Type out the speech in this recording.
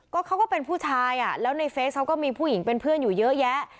เขาก็เป็นผู้ชายอ่ะแล้วในเฟซเขาก็มีผู้หญิงเป็นเพื่อนอยู่เยอะแยะ